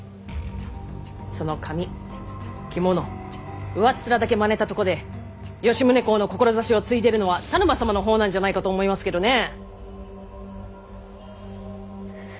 その髪着物上っ面だけまねたとこで吉宗公の志をついでいるのは田沼様のほうなんじゃないかと思いますけどね！